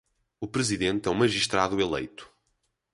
O presidente é um magistrado eleito.